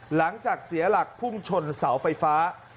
หลังจากเสียหลักพุ่งชนเสาไฟฟ้า